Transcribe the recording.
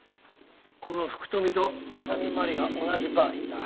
この福富と浅見麻里が同じバーにいた。